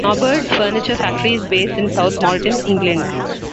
Norbord's furniture factory is based in South Molton, England.